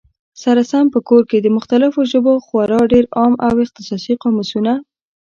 سره سم په کور کي، د مختلفو ژبو خورا ډېر عام او اختصاصي قاموسونه